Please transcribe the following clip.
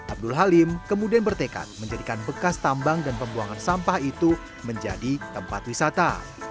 abdul halim kemudian bertekad menjadikan bekas tambang dan pembuangan sampah itu menjadi tempat wisata